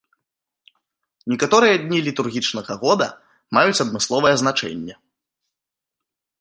Некаторыя дні літургічнага года маюць адмысловае значэнне.